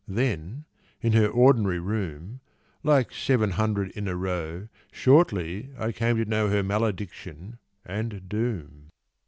Then in her ordinary room, Like seven hundred in a row Shortly I came to know Her malediction and doom.